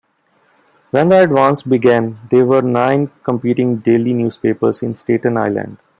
When the "Advance" began, there were nine competing daily newspapers in Staten Island.